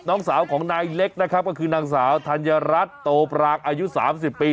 น้องสาวของนายเล็กนะครับก็คือนางสาวธัญรัฐโตปรางอายุ๓๐ปี